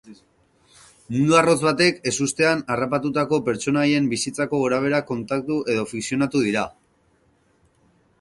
Mundu arrotz batek ezustean harrapatutako pertsonaien bizitzako gorabeherak kontatu eta fikzionatu dira.